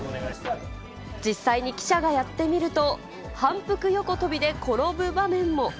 実際に記者がやってみると、反復横跳びで転ぶ場面も。